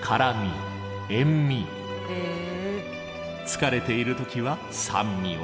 疲れている時は酸味を。